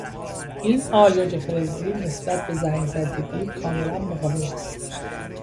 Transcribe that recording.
این آلیاژ فلزی نسبت به زنگ زدگی کاملا مقاوم است.